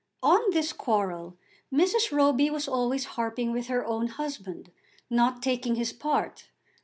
On this quarrel Mrs. Roby was always harping with her own husband, not taking his part.